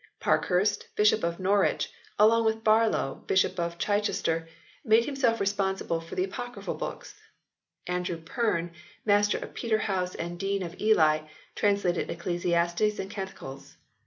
Parkhurst, Bishop of Norwich, along with Barlow, Bishop of Chichester, made himself responsible for the Apocryphal books ; Andrew Perne, Master of Peterhouse and Dean of Ely, translated Ecclesiastes and Canticles.